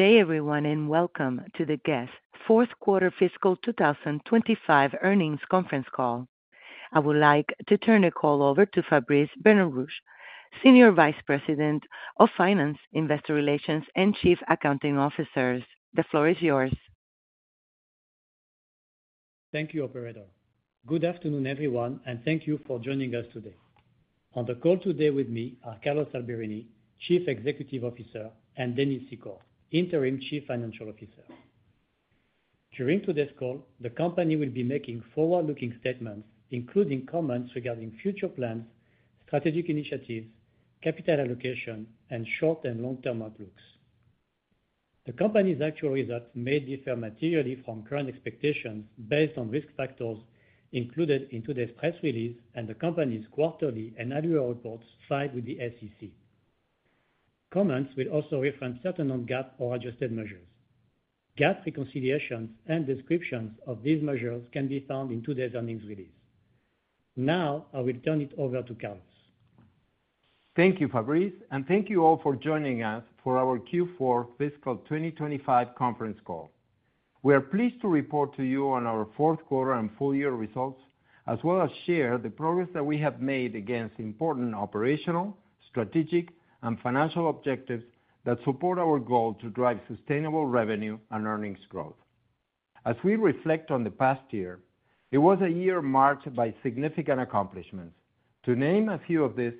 Day everyone and welcome to the Guess? Q4 Fiscal 2025 Earnings Conference Call. I would like to turn the call over to Fabrice Benarouche, Senior Vice President of Finance, Investor Relations, and Chief Accounting Officer. The floor is yours. Thank you, Operator. Good afternoon everyone, and thank you for joining us today. On the call today with me are Carlos Alberini, Chief Executive Officer, and Dennis Secor, Interim Chief Financial Officer. During today's call, the company will be making forward-looking statements, including comments regarding future plans, strategic initiatives, capital allocation, and short- and long-term outlooks. The company's actual results may differ materially from current expectations based on risk factors included in today's press release and the company's quarterly and annual reports filed with the SEC. Comments will also reference certain non-GAAP or adjusted measures. GAAP reconciliations and descriptions of these measures can be found in today's earnings release. Now, I will turn it over to Carlos. Thank you, Fabrice, and thank you all for joining us for our Q4 Fiscal 2025 Conference Call. We are pleased to report to you on our Q4 and full-year results, as well as share the progress that we have made against important operational, strategic, and financial objectives that support our goal to drive sustainable revenue and earnings growth. As we reflect on the past year, it was a year marked by significant accomplishments. To name a few of these,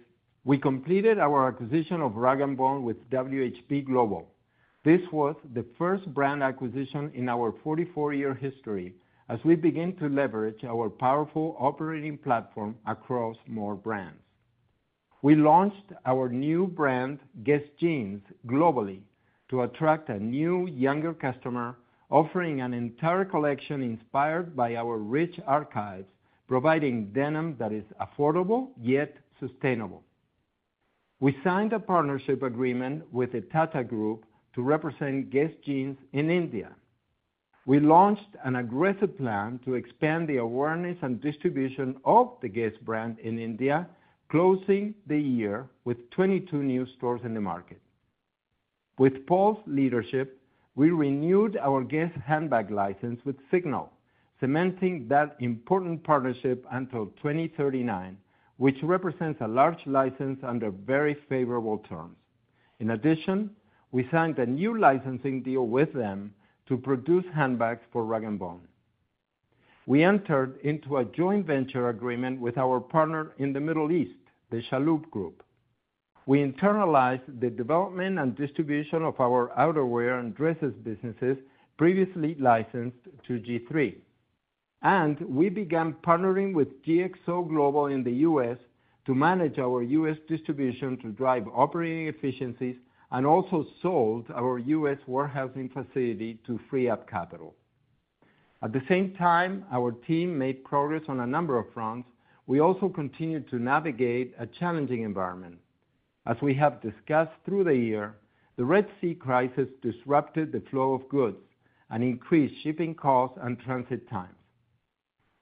we completed our acquisition of Rag & Bone with WHP Global. This was the first brand acquisition in our 44-year history as we begin to leverage our powerful operating platform across more brands. We launched our new brand, Guess? Jeans, globally to attract a new, younger customer, offering an entire collection inspired by our rich archives, providing denim that is affordable yet sustainable. We signed a partnership agreement with the Tata Group to represent Guess? Jeans in India. We launched an aggressive plan to expand the awareness and distribution of the Guess? brand in India, closing the year with 22 new stores in the market. With Paul's leadership, we renewed our Guess? handbag license with Signal, cementing that important partnership until 2039, which represents a large license under very favorable terms. In addition, we signed a new licensing deal with them to produce handbags for Rag & Bone. We entered into a joint venture agreement with our partner in the Middle East, the Chalhoub Group. We internalized the development and distribution of our outerwear and dresses businesses previously licensed to G-III. We began partnering with GXO Global in the US to manage our US distribution to drive operating efficiencies and also sold our US warehousing facility to free up capital. At the same time, our team made progress on a number of fronts. We also continued to navigate a challenging environment. As we have discussed through the year, the Red Sea crisis disrupted the flow of goods and increased shipping costs and transit time.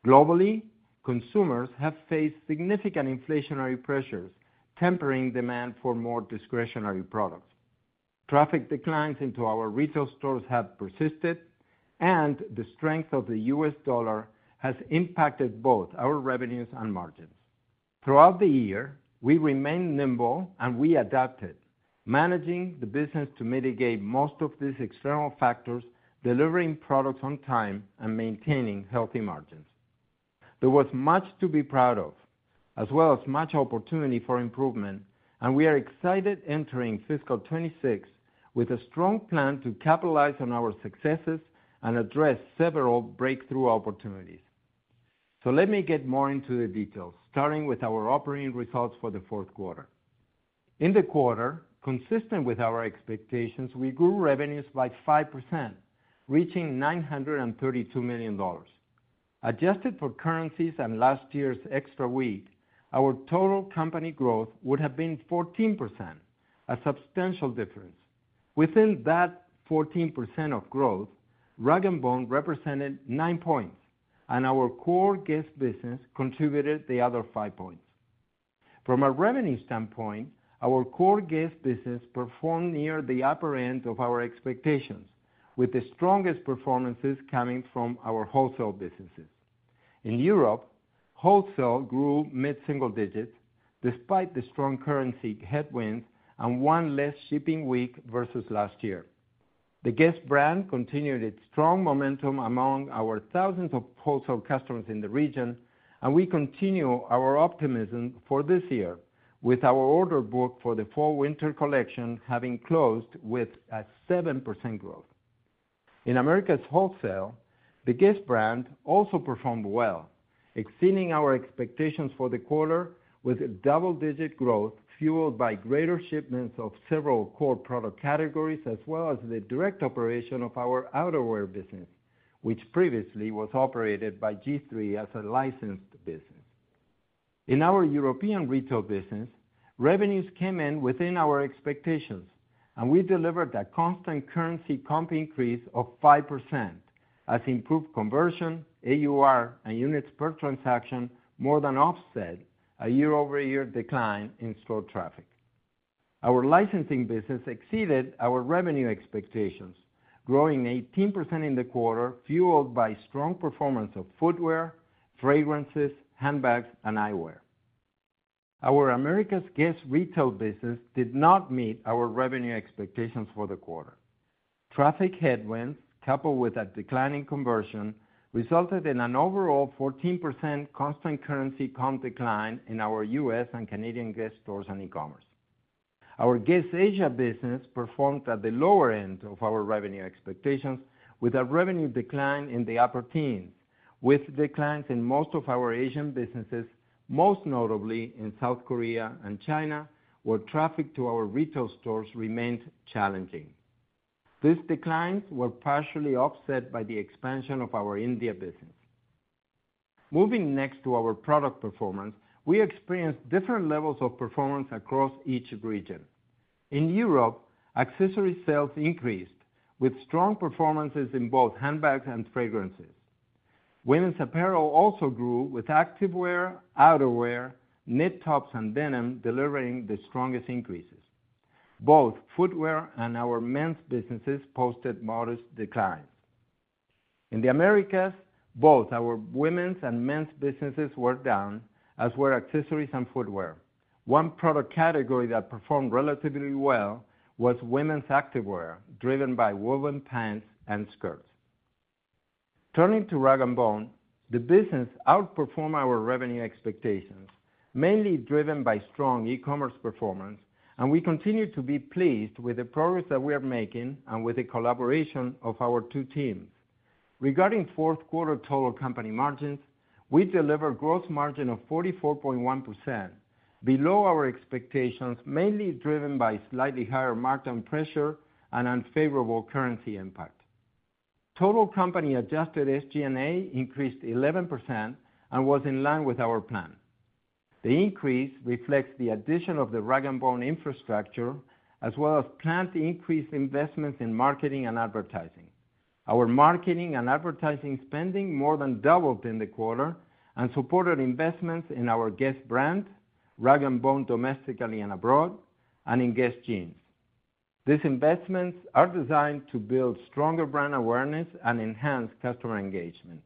Globally, consumers have faced significant inflationary pressures, tempering demand for more discretionary products. Traffic declines into our retail stores have persisted, and the strength of the US dollar has impacted both our revenues and margins. Throughout the year, we remained nimble and we adapted, managing the business to mitigate most of these external factors, delivering products on time, and maintaining healthy margins. There was much to be proud of, as well as much opportunity for improvement, and we are excited entering Fiscal 2026 with a strong plan to capitalize on our successes and address several breakthrough opportunities. Let me get more into the details, starting with our operating results for the Q4. In the quarter, consistent with our expectations, we grew revenues by 5%, reaching $932 million. Adjusted for currencies and last year's extra week, our total company growth would have been 14%, a substantial difference. Within that 14% of growth, Rag & Bone represented 9 points, and our core Guess? business contributed the other 5 points. From a revenue standpoint, our core Guess? business performed near the upper end of our expectations, with the strongest performances coming from our wholesale businesses. In Europe, wholesale grew mid-single digits despite the strong currency headwinds and one less shipping week versus last year. The Guess? brand continued its strong momentum among our thousands of wholesale customers in the region, and we continue our optimism for this year, with our order book for the fall/winter collection having closed with a 7% growth. In America's wholesale, the Guess? brand also performed well, exceeding our expectations for the quarter with double-digit growth fueled by greater shipments of several core product categories, as well as the direct operation of our outerwear business, which previously was operated by G-III as a licensed business. In our European retail business, revenues came in within our expectations, and we delivered a constant currency comp increase of 5%, as improved conversion, AUR, and units per transaction more than offset a year-over-year decline in store traffic. Our licensing business exceeded our revenue expectations, growing 18% in the quarter, fueled by strong performance of footwear, fragrances, handbags, and eyewear. Our America's Guess? Retail business did not meet our revenue expectations for the quarter. Traffic headwinds, coupled with a declining conversion, resulted in an overall 14% constant currency comp decline in our US and Canadian Guess? stores and e-commerce. Our Guess? Asia business performed at the lower end of our revenue expectations, with a revenue decline in the upper teens, with declines in most of our Asian businesses, most notably in South Korea and China, where traffic to our retail stores remained challenging. These declines were partially offset by the expansion of our India business. Moving next to our product performance, we experienced different levels of performance across each region. In Europe, accessory sales increased, with strong performances in both handbags and fragrances. Women's apparel also grew, with activewear, outerwear, knit tops, and denim delivering the strongest increases. Both footwear and our men's businesses posted modest declines. In the Americas, both our women's and men's businesses were down, as were accessories and footwear. One product category that performed relatively well was women's activewear, driven by woven pants and skirts. Turning to Rag & Bone, the business outperformed our revenue expectations, mainly driven by strong e-commerce performance, and we continue to be pleased with the progress that we are making and with the collaboration of our two teams. Regarding Q4 total company margins, we delivered a gross margin of 44.1%, below our expectations, mainly driven by slightly higher market pressure and unfavorable currency impact. Total company adjusted SG&A increased 11% and was in line with our plan. The increase reflects the addition of the Rag & Bone infrastructure, as well as planned increased investments in marketing and advertising. Our marketing and advertising spending more than doubled in the quarter and supported investments in our Guess? brand, Rag & Bone domestically and abroad, and in Guess? Jeans. These investments are designed to build stronger brand awareness and enhance customer engagement.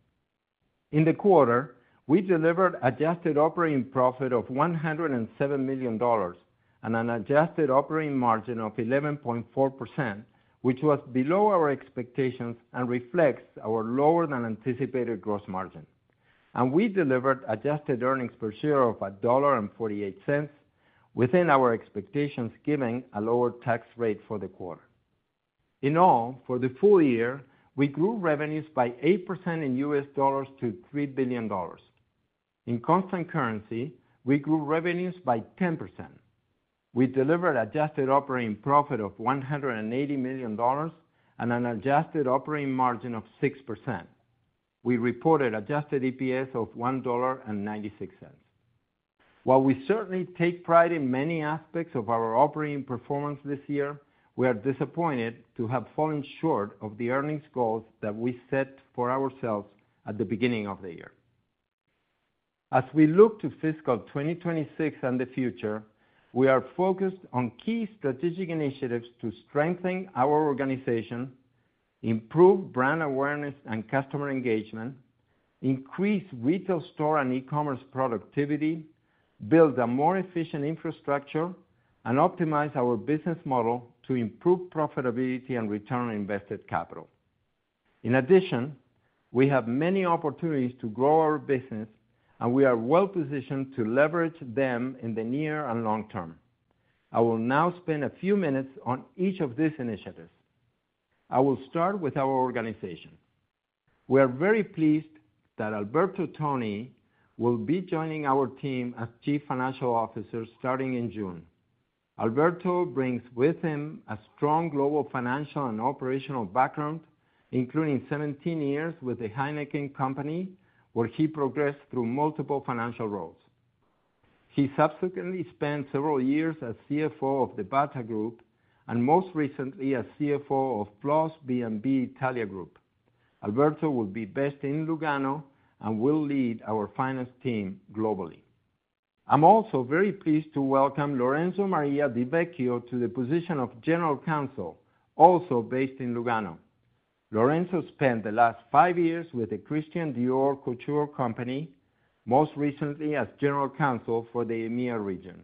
In the quarter, we delivered an adjusted operating profit of $107 million and an adjusted operating margin of 11.4%, which was below our expectations and reflects our lower-than-anticipated gross margin. We delivered adjusted earnings per share of $1.48, within our expectations given a lower tax rate for the quarter. In all, for the full year, we grew revenues by 8% in US dollars to $3 billion. In constant currency, we grew revenues by 10%. We delivered an adjusted operating profit of $180 million and an adjusted operating margin of 6%. We reported an adjusted EPS of $1.96. While we certainly take pride in many aspects of our operating performance this year, we are disappointed to have fallen short of the earnings goals that we set for ourselves at the beginning of the year. As we look to Fiscal 2026 and the future, we are focused on key strategic initiatives to strengthen our organization, improve brand awareness and customer engagement, increase retail store and e-commerce productivity, build a more efficient infrastructure, and optimize our business model to improve profitability and return on invested capital. In addition, we have many opportunities to grow our business, and we are well-positioned to leverage them in the near and long term. I will now spend a few minutes on each of these initiatives. I will start with our organization. We are very pleased that Alberto Toni will be joining our team as Chief Financial Officer starting in June. Alberto brings with him a strong global financial and operational background, including 17 years with Heineken, where he progressed through multiple financial roles. He subsequently spent several years as CFO of the Bata Group and most recently as CFO of B&B Italia Group. Alberto will be based in Lugano and will lead our finance team globally. I'm also very pleased to welcome Lorenzo Maria Di Vecchio to the position of General Counsel, also based in Lugano. Lorenzo spent the last five years with Christian Dior Couture, most recently as General Counsel for the EMEA region.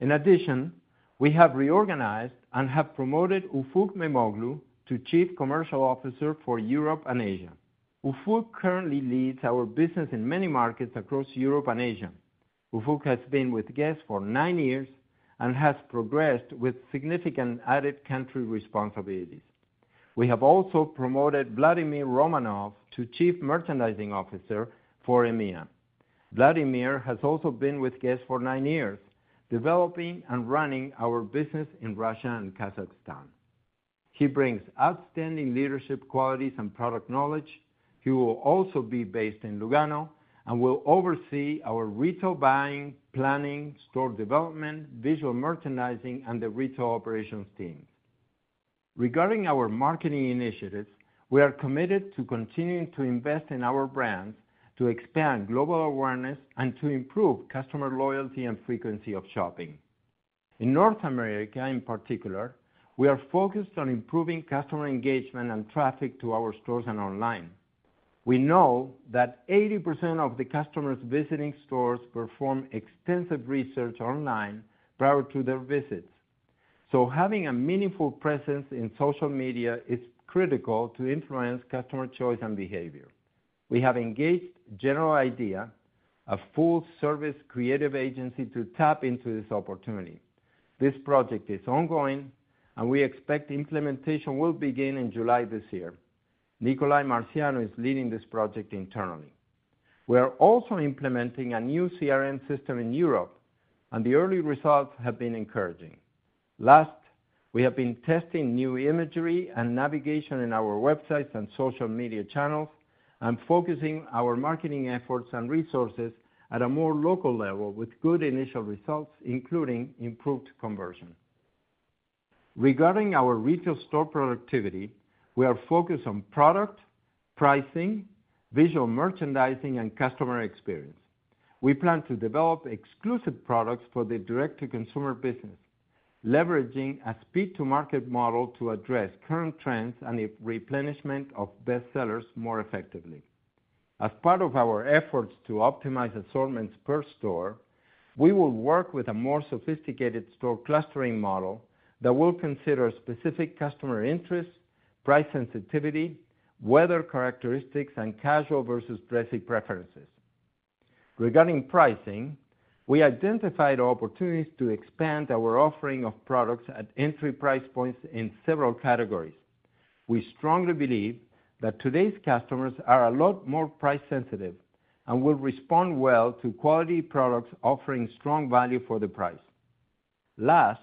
In addition, we have reorganized and have promoted Ufuk Mammoglu to Chief Commercial Officer for Europe and Asia. Ufuk currently leads our business in many markets across Europe and Asia. Ufuk has been with Guess? for nine years and has progressed with significant added country responsibilities. We have also promoted Vladimir Romanov to Chief Merchandising Officer for EMEA. Vladimir has also been with Guess? for nine years, developing and running our business in Russia and Kazakhstan. He brings outstanding leadership qualities and product knowledge. He will also be based in Lugano and will oversee our retail buying, planning, store development, visual merchandising, and the retail operations team. Regarding our marketing initiatives, we are committed to continuing to invest in our brands, to expand global awareness, and to improve customer loyalty and frequency of shopping. In North America, in particular, we are focused on improving customer engagement and traffic to our stores and online. We know that 80% of the customers visiting stores perform extensive research online prior to their visits. Having a meaningful presence in social media is critical to influence customer choice and behavior. We have engaged General Idea, a full-service creative agency, to tap into this opportunity. This project is ongoing, and we expect implementation will begin in July this year. Nicolai Marciano is leading this project internally. We are also implementing a new CRM system in Europe, and the early results have been encouraging. Last, we have been testing new imagery and navigation in our websites and social media channels and focusing our marketing efforts and resources at a more local level with good initial results, including improved conversion. Regarding our retail store productivity, we are focused on product, pricing, visual merchandising, and customer experience. We plan to develop exclusive products for the direct-to-consumer business, leveraging a speed-to-market model to address current trends and replenishment of bestsellers more effectively. As part of our efforts to optimize assortments per store, we will work with a more sophisticated store clustering model that will consider specific customer interests, price sensitivity, weather characteristics, and casual versus dressy preferences. Regarding pricing, we identified opportunities to expand our offering of products at entry price points in several categories. We strongly believe that today's customers are a lot more price-sensitive and will respond well to quality products offering strong value for the price. Last,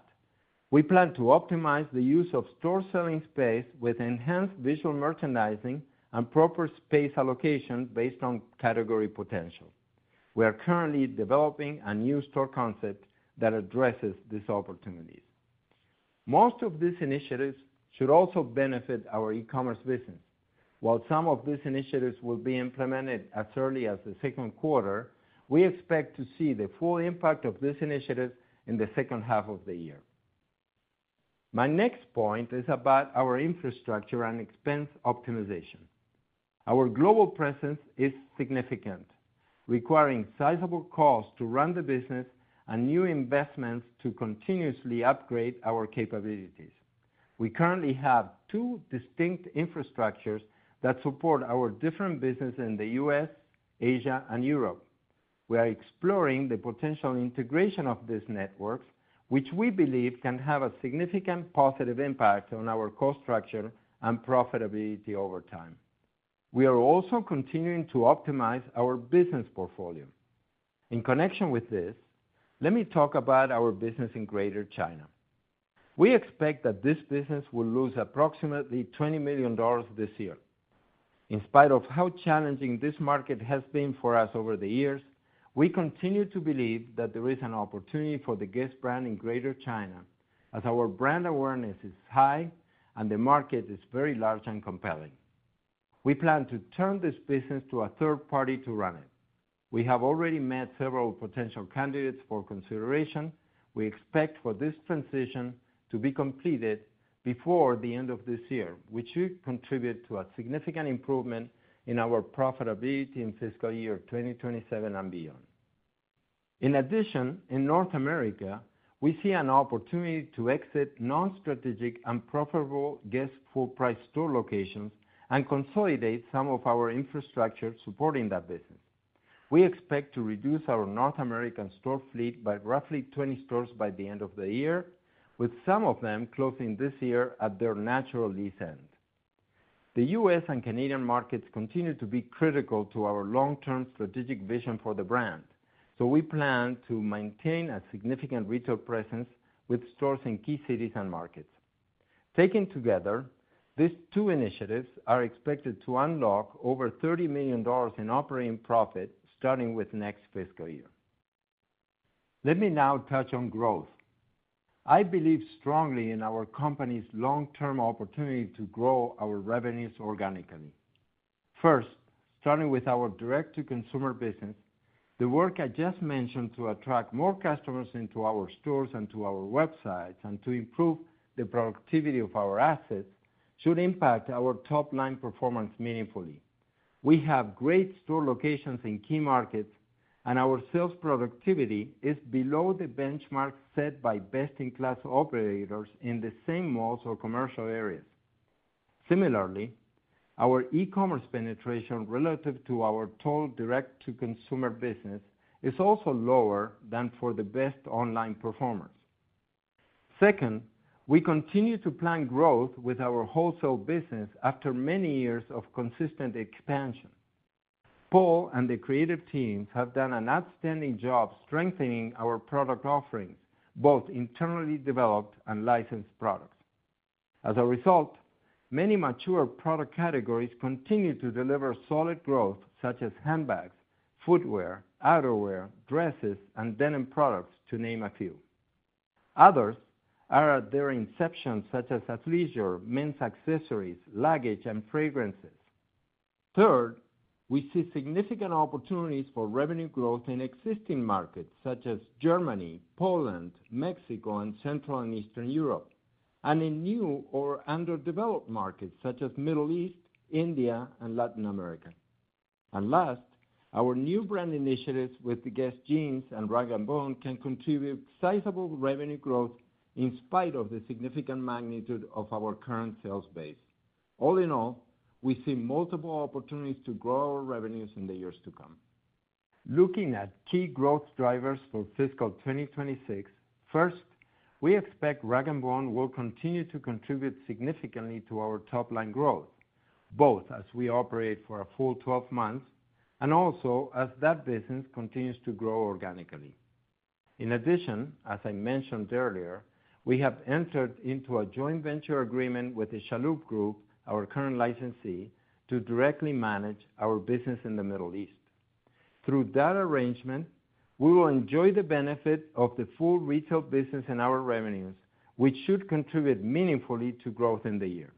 we plan to optimize the use of store selling space with enhanced visual merchandising and proper space allocation based on category potential. We are currently developing a new store concept that addresses this opportunity. Most of these initiatives should also benefit our e-commerce business. While some of these initiatives will be implemented as early as the Q2, we expect to see the full impact of this initiative in the second half of the year. My next point is about our infrastructure and expense optimization. Our global presence is significant, requiring sizable costs to run the business and new investments to continuously upgrade our capabilities. We currently have two distinct infrastructures that support our different businesses in the US, Asia, and Europe. We are exploring the potential integration of these networks, which we believe can have a significant positive impact on our cost structure and profitability over time. We are also continuing to optimize our business portfolio. In connection with this, let me talk about our business in Greater China. We expect that this business will lose approximately $20 million this year. In spite of how challenging this market has been for us over the years, we continue to believe that there is an opportunity for the Guess? brand in Greater China, as our brand awareness is high and the market is very large and compelling. We plan to turn this business to a third party to run it. We have already met several potential candidates for consideration. We expect for this transition to be completed before the end of this year, which should contribute to a significant improvement in our profitability in fiscal year 2027 and beyond. In addition, in North America, we see an opportunity to exit non-strategic and unprofitable Guess? full-price store locations and consolidate some of our infrastructure supporting that business. We expect to reduce our North American store fleet by roughly 20 stores by the end of the year, with some of them closing this year at their natural lease end. The U.S. and Canadian markets continue to be critical to our long-term strategic vision for the brand, so we plan to maintain a significant retail presence with stores in key cities and markets. Taken together, these two initiatives are expected to unlock over $30 million in operating profit starting with next fiscal year. Let me now touch on growth. I believe strongly in our company's long-term opportunity to grow our revenues organically. First, starting with our direct-to-consumer business, the work I just mentioned to attract more customers into our stores and to our websites and to improve the productivity of our assets should impact our top-line performance meaningfully. We have great store locations in key markets, and our sales productivity is below the benchmark set by best-in-class operators in the same malls or commercial areas. Similarly, our e-commerce penetration relative to our total direct-to-consumer business is also lower than for the best online performers. Second, we continue to plan growth with our wholesale business after many years of consistent expansion. Paul and the creative teams have done an outstanding job strengthening our product offering, both internally developed and licensed products. As a result, many mature product categories continue to deliver solid growth, such as handbags, footwear, outerwear, dresses, and denim products, to name a few. Others are at their inception, such as athleisure, men's accessories, luggage, and fragrances. Third, we see significant opportunities for revenue growth in existing markets, such as Germany, Poland, Mexico, and Central and Eastern Europe, and in new or underdeveloped markets, such as the Middle East, India, and Latin America. Last, our new brand initiatives with the Guess? Jeans and Rag & Bone can contribute sizable revenue growth in spite of the significant magnitude of our current sales base. All in all, we see multiple opportunities to grow our revenues in the years to come. Looking at key growth drivers for Fiscal 2026, first, we expect Rag & Bone will continue to contribute significantly to our top-line growth, both as we operate for a full 12 months and also as that business continues to grow organically. In addition, as I mentioned earlier, we have entered into a joint venture agreement with the Chalhoub Group, our current licensee, to directly manage our business in the Middle East. Through that arrangement, we will enjoy the benefit of the full retail business in our revenues, which should contribute meaningfully to growth in the year.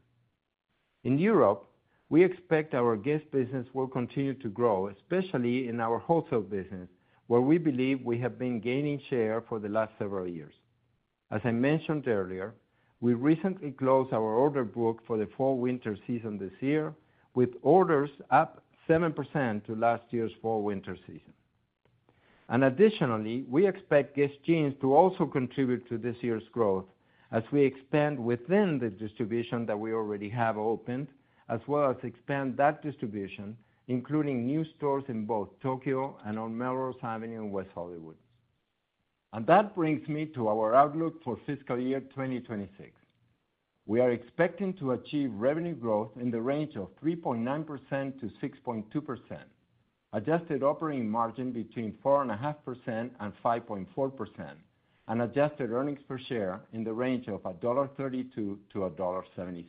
In Europe, we expect our Guess? business will continue to grow, especially in our wholesale business, where we believe we have been gaining share for the last several years. As I mentioned earlier, we recently closed our order book for the fall-winter season this year, with orders up 7% to last year's fall-winter season. Additionally, we expect Guess? Jeans to also contribute to this year's growth, as we expand within the distribution that we already have opened, as well as expand that distribution, including new stores in both Tokyo and on Melrose Avenue in West Hollywood. That brings me to our outlook for Fiscal Year 2026. We are expecting to achieve revenue growth in the range of 3.9%-6.2%, adjusted operating margin between 4.5%-5.4%, and adjusted earnings per share in the range of $1.32-$1.76.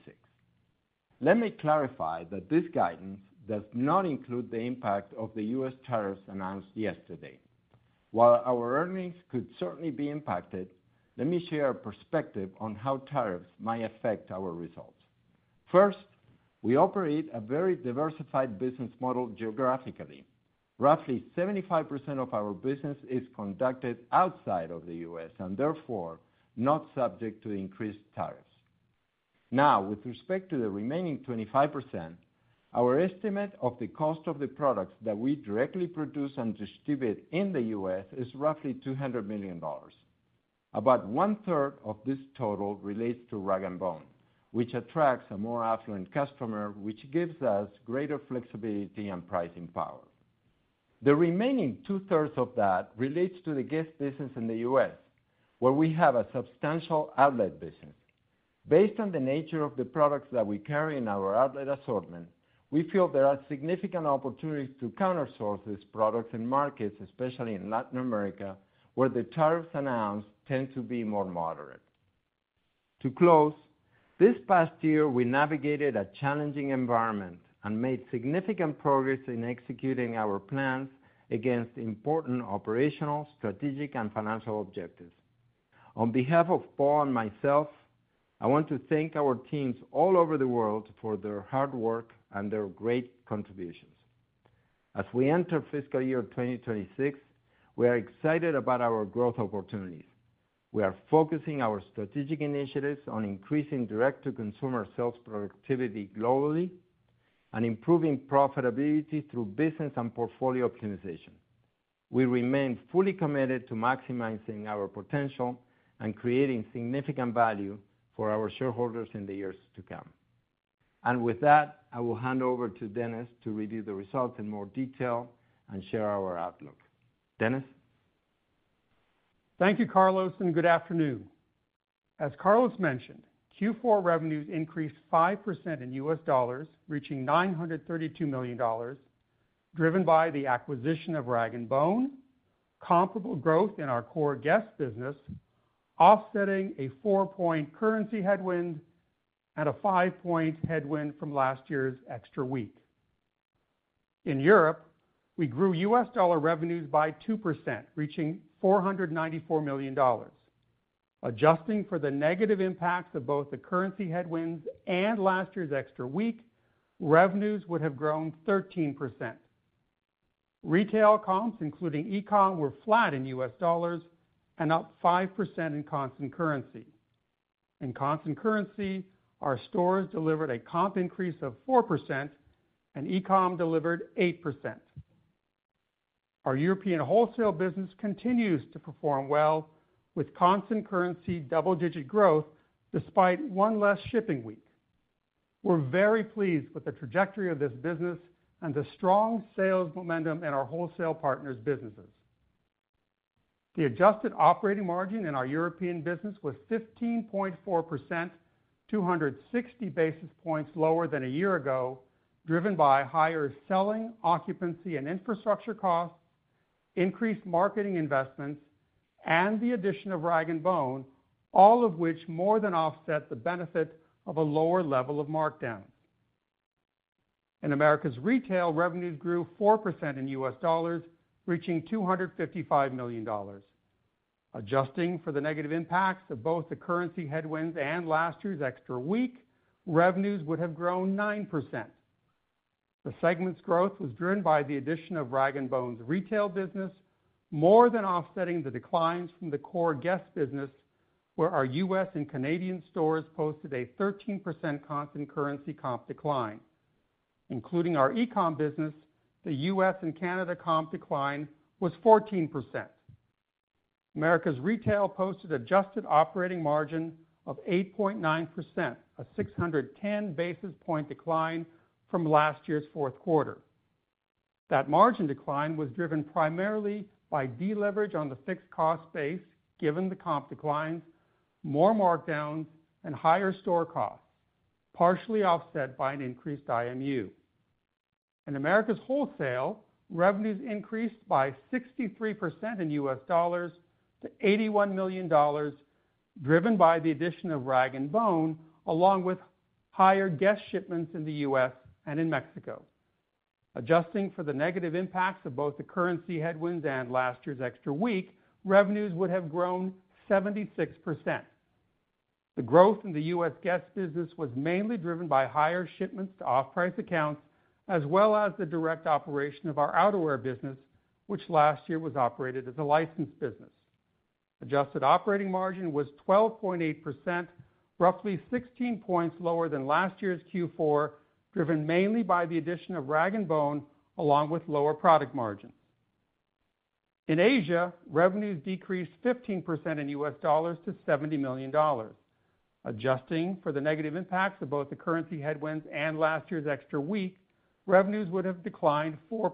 Let me clarify that this guidance does not include the impact of the US tariffs announced yesterday. While our earnings could certainly be impacted, let me share a perspective on how tariffs might affect our results. First, we operate a very diversified business model geographically. Roughly 75% of our business is conducted outside of the US and therefore not subject to increased tariffs. Now, with respect to the remaining 25%, our estimate of the cost of the products that we directly produce and distribute in the US is roughly $200 million. About one-third of this total relates to Rag & Bone, which attracts a more affluent customer, which gives us greater flexibility and pricing power. The remaining two-thirds of that relates to the Guess? business in the US, where we have a substantial outlet business. Based on the nature of the products that we carry in our outlet assortment, we feel there are significant opportunities to counter-source these products and markets, especially in Latin America, where the tariffs announced tend to be more moderate. To close, this past year, we navigated a challenging environment and made significant progress in executing our plans against important operational, strategic, and financial objectives. On behalf of Paul and myself, I want to thank our teams all over the world for their hard work and their great contributions. As we enter fiscal year 2026, we are excited about our growth opportunities. We are focusing our strategic initiatives on increasing direct-to-consumer sales productivity globally and improving profitability through business and portfolio optimization. We remain fully committed to maximizing our potential and creating significant value for our shareholders in the years to come. With that, I will hand over to Dennis to review the results in more detail and share our outlook. Dennis? Thank you, Carlos, and good afternoon. As Carlos mentioned, Q4 revenues increased 5% in US dollars, reaching $932 million, driven by the acquisition of Rag & Bone, comparable growth in our core Guess? business, offsetting a four-point currency headwind and a five-point headwind from last year's extra week. In Europe, we grew US dollar revenues by 2%, reaching $494 million. Adjusting for the negative impacts of both the currency headwinds and last year's extra week, revenues would have grown 13%. Retail comps, including e-comm, were flat in US dollars and up 5% in constant currency. In constant currency, our stores delivered a comp increase of 4% and e-comm delivered 8%. Our European wholesale business continues to perform well, with constant currency double-digit growth despite one less shipping week. We are very pleased with the trajectory of this business and the strong sales momentum in our wholesale partners' businesses. The adjusted operating margin in our European business was 15.4%, 260 basis points lower than a year ago, driven by higher selling, occupancy, and infrastructure costs, increased marketing investment, and the addition of Rag & Bone, all of which more than offset the benefit of a lower level of markdown. In America's retail, revenues grew 4% in US dollars, reaching $255 million. Adjusting for the negative impacts of both the currency headwinds and last year's extra week, revenues would have grown 9%. The segment's growth was driven by the addition of Rag & Bone's retail business, more than offsetting the declines from the core Guess? business, where our US and Canadian stores posted a 13% constant currency comp decline. Including our e-comm business, the US and Canada comp decline was 14%. America's retail posted an adjusted operating margin of 8.9%, a 610 basis point decline from last year's Q4. That margin decline was driven primarily by deleverage on the fixed cost base, given the comp declines, more markdowns, and higher store costs, partially offset by an increased IMU. In America's wholesale, revenues increased by 63% in US dollars to $81 million, driven by the addition of Rag & Bone, along with higher Guess? shipments in the US and in Mexico. Adjusting for the negative impacts of both the currency headwinds and last year's extra week, revenues would have grown 76%. The growth in the US Guess? business was mainly driven by higher shipments to off-price accounts, as well as the direct operation of our outerwear business, which last year was operated as a licensed business. Adjusted operating margin was 12.8%, roughly 16 percentage points lower than last year's Q4, driven mainly by the addition of Rag & Bone, along with lower product margin. In Asia, revenues decreased 15% in US dollars to $70 million. Adjusting for the negative impacts of both the currency headwinds and last year's extra week, revenues would have declined 4%.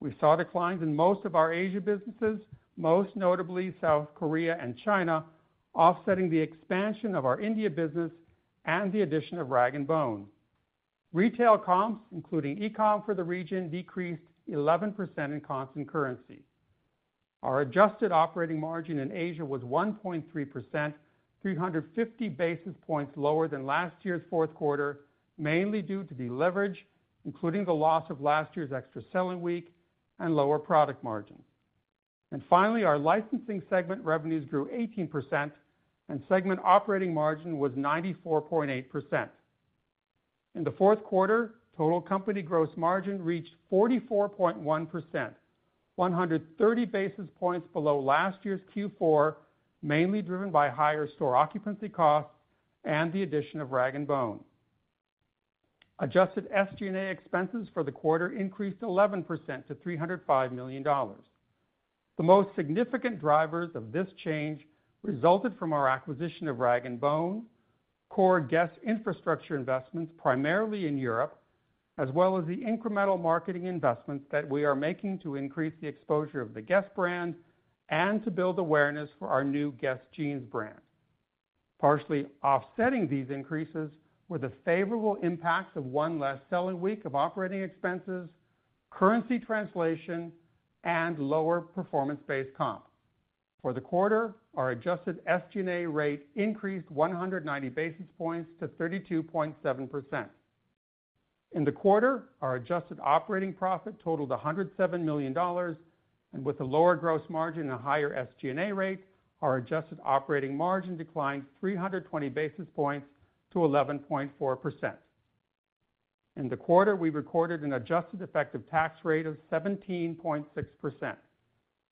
We saw declines in most of our Asia businesses, most notably South Korea and China, offsetting the expansion of our India business and the addition of Rag & Bone. Retail comps, including e-comm for the region, decreased 11% in constant currency. Our adjusted operating margin in Asia was 1.3%, 350 basis points lower than last year's Q4, mainly due to deleverage, including the loss of last year's extra selling week, and lower product margin. Finally, our licensing segment revenues grew 18%, and segment operating margin was 94.8%. In the Q4, total company gross margin reached 44.1%, 130 basis points below last year's Q4, mainly driven by higher store occupancy costs and the addition of Rag & Bone. Adjusted SG&A expenses for the quarter increased 11% to $305 million. The most significant drivers of this change resulted from our acquisition of Rag & Bone, core Guess? Infrastructure investments primarily in Europe, as well as the incremental marketing investments that we are making to increase the exposure of the Guess? brand and to build awareness for our new Guess? Jeans brand. Partially offsetting these increases were the favorable impacts of one less selling week of operating expenses, currency translation, and lower performance-based comp. For the quarter, our adjusted SG&A rate increased 190 basis points to 32.7%. In the quarter, our adjusted operating profit totaled $107 million, and with a lower gross margin and a higher SG&A rate, our adjusted operating margin declined 320 basis points to 11.4%. In the quarter, we recorded an adjusted effective tax rate of 17.6%.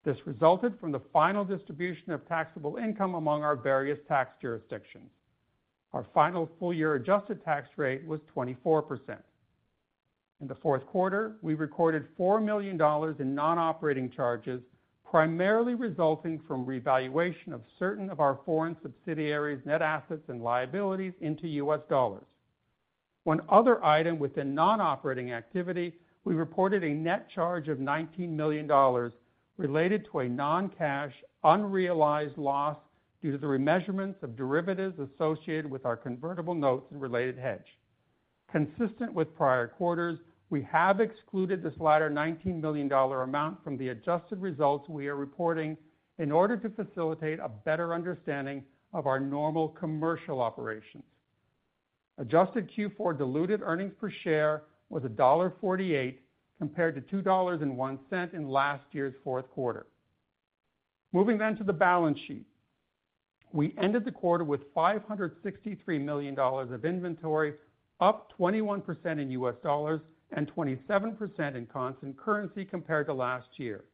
This resulted from the final distribution of taxable income among our various tax jurisdictions. Our final full-year adjusted tax rate was 24%. In the Q4, we recorded $4 million in non-operating charges, primarily resulting from revaluation of certain of our foreign subsidiaries' net assets and liabilities into US dollars. One other item within non-operating activity, we reported a net charge of $19 million related to a non-cash, unrealized loss due to the remeasurements of derivatives associated with our convertible notes and related hedge. Consistent with prior quarters, we have excluded this latter $19 million amount from the adjusted results we are reporting in order to facilitate a better understanding of our normal commercial operations. Adjusted Q4 diluted earnings per share was $1.48 compared to $2.01 in last year's Q4. Moving then to the balance sheet, we ended the quarter with $563 million of inventory, up 21% in US dollars and 27% in constant currency compared to last year.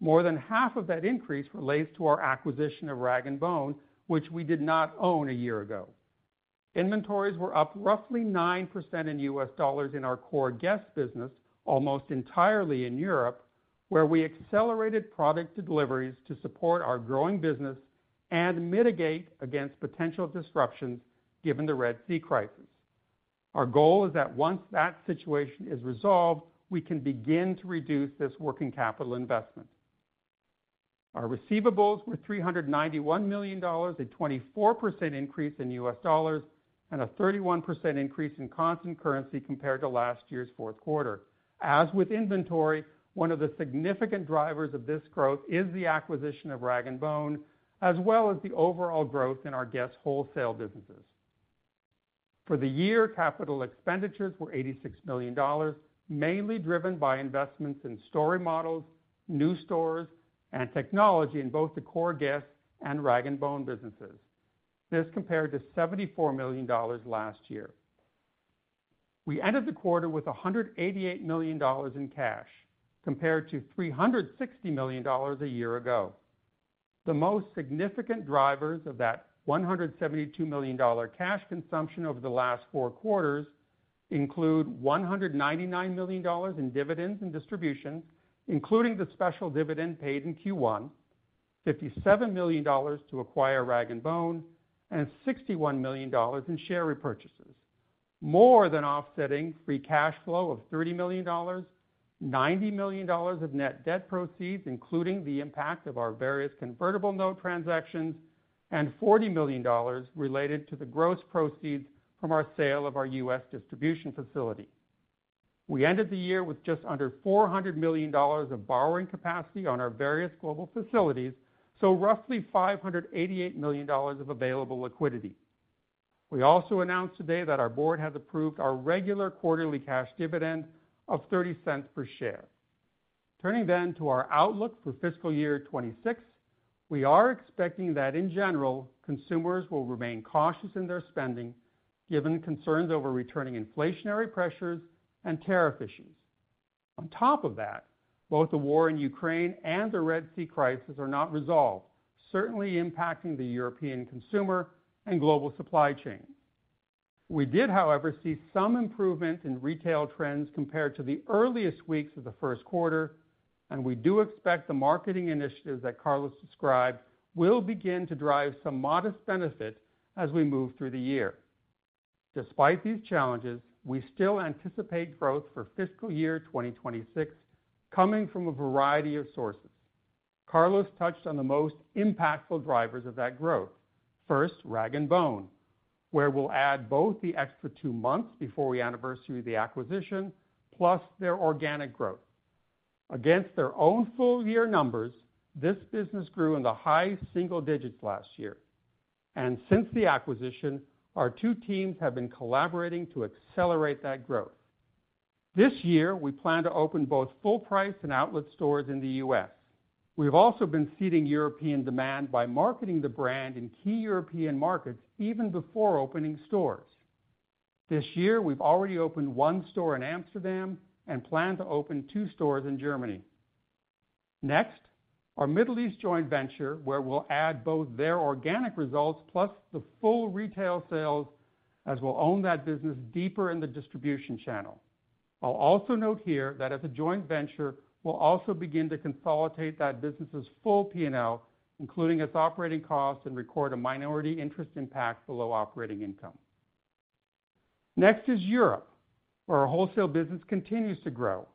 More than half of that increase relates to our acquisition of Rag & Bone, which we did not own a year ago. Inventories were up roughly 9% in US dollars in our core Guess? business, almost entirely in Europe, where we accelerated product deliveries to support our growing business and mitigate against potential disruptions given the Red Sea crisis. Our goal is that once that situation is resolved, we can begin to reduce this working capital investment. Our receivables were $391 million, a 24% increase in US dollars and a 31% increase in constant currency compared to last year's Q4. As with inventory, one of the significant drivers of this growth is the acquisition of Rag & Bone, as well as the overall growth in our Guess? wholesale businesses. For the year, capital expenditures were $86 million, mainly driven by investments in store remodels, new stores, and technology in both the core Guess? and Rag & Bone businesses. This compared to $74 million last year. We ended the quarter with $188 million in cash, compared to $360 million a year ago. The most significant drivers of that $172 million cash consumption over the last four quarters include $199 million in dividends and distribution, including the special dividend paid in Q1, $57 million to acquire Rag & Bone, and $61 million in share repurchases, more than offsetting free cash flow of $30 million, $90 million of net debt proceeds, including the impact of our various convertible note transactions, and $40 million related to the gross proceeds from our sale of our US distribution facility. We ended the year with just under $400 million of borrowing capacity on our various global facilities, so roughly $588 million of available liquidity. We also announced today that our board has approved our regular quarterly cash dividend of $0.30 per share. Turning then to our outlook for fiscal year 2026, we are expecting that, in general, consumers will remain cautious in their spending, given concerns over returning inflationary pressures and tariff issues. On top of that, both the war in Ukraine and the Red Sea crisis are not resolved, certainly impacting the European consumer and global supply chain. We did, however, see some improvement in retail trends compared to the earliest weeks of the Q1, and we do expect the marketing initiatives that Carlos described will begin to drive some modest benefit as we move through the year. Despite these challenges, we still anticipate growth for fiscal year 2026 coming from a variety of sources. Carlos touched on the most impactful drivers of that growth. First, Rag & Bone, where we will add both the extra two months before we anniversary the acquisition, plus their organic growth. Against their own full-year numbers, this business grew in the high single digits last year. Since the acquisition, our two teams have been collaborating to accelerate that growth. This year, we plan to open both full-price and outlet stores in the US. We have also been seeding European demand by marketing the brand in key European markets even before opening stores. This year, we have already opened one store in Amsterdam and plan to open two stores in Germany. Next, our Middle East joint venture, where we'll add both their organic results plus the full retail sales, as we'll own that business deeper in the distribution channel. I'll also note here that as a joint venture, we'll also begin to consolidate that business's full P&L, including its operating costs, and record a minority interest impact below operating income. Next is Europe, where our wholesale business continues to grow.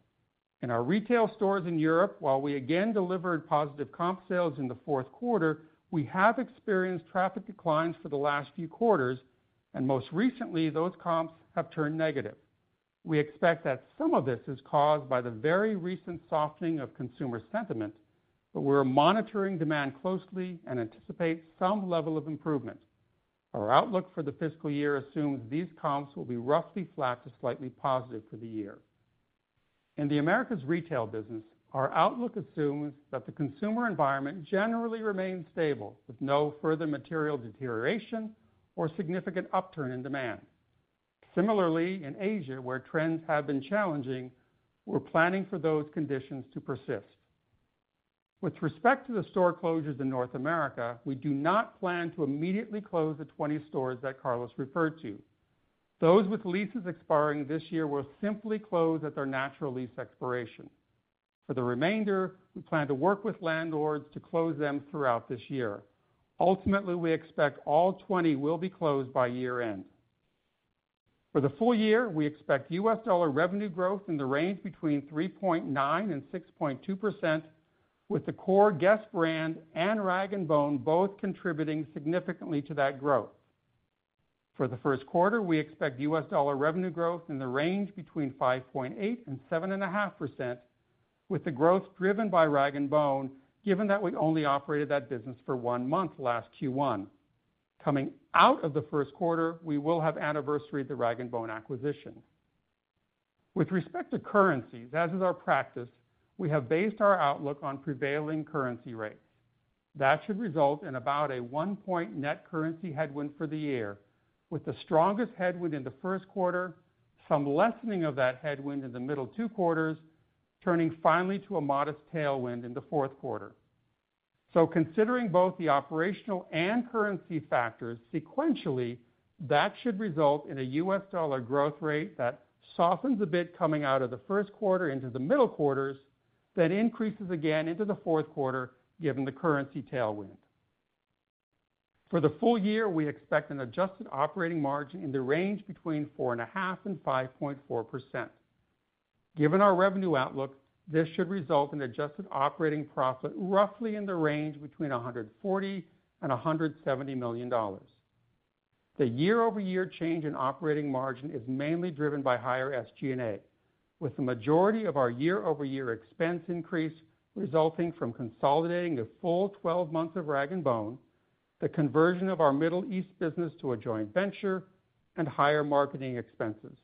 In our retail stores in Europe, while we again delivered positive comp sales in the Q4, we have experienced traffic declines for the last few quarters, and most recently, those comps have turned negative. We expect that some of this is caused by the very recent softening of consumer sentiment, but we're monitoring demand closely and anticipate some level of improvement. Our outlook for the fiscal year assumes these comps will be roughly flat to slightly positive for the year. In America's retail business, our outlook assumes that the consumer environment generally remains stable, with no further material deterioration or significant upturn in demand. Similarly, in Asia, where trends have been challenging, we're planning for those conditions to persist. With respect to the store closures in North America, we do not plan to immediately close the 20 stores that Carlos referred to. Those with leases expiring this year will simply close at their natural lease expiration. For the remainder, we plan to work with landlords to close them throughout this year. Ultimately, we expect all 20 will be closed by year-end. For the full year, we expect $US dollar revenue growth in the range between 3.9% and 6.2%, with the core Guess? brand and Rag & Bone both contributing significantly to that growth. For the Q1, we expect US dollar revenue growth in the range between 5.8% and 7.5%, with the growth driven by Rag & Bone, given that we only operated that business for one month last Q1. Coming out of the Q1, we will have anniversary of the Rag & Bone acquisition. With respect to currencies, as is our practice, we have based our outlook on prevailing currency rates. That should result in about a one-point net currency headwind for the year, with the strongest headwind in the Q1, some lessening of that headwind in the middle two quarters, turning finally to a modest tailwind in the Q4. Considering both the operational and currency factors sequentially, that should result in a US dollar growth rate that softens a bit coming out of the Q1 into the middle quarters, then increases again into the Q4 given the currency tailwind. For the full year, we expect an adjusted operating margin in the range between 4.5% and 5.4%. Given our revenue outlook, this should result in adjusted operating profit roughly in the range between $140 million and $170 million. The year-over-year change in operating margin is mainly driven by higher SG&A, with the majority of our year-over-year expense increase resulting from consolidating the full 12 months of Rag & Bone, the conversion of our Middle East business to a joint venture, and higher marketing expenses.